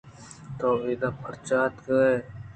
تو اِدا پرچا اتکگ ئے؟